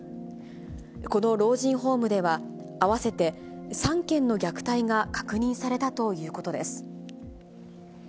この老人ホームでは、合わせて３件の虐待が確認されたということです。